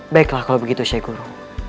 baiklah kalau begitu syekh guru